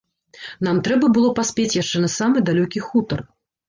Нам трэба было паспець яшчэ на самы далёкі хутар.